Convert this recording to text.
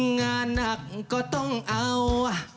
งานหนักก็ต้องเอา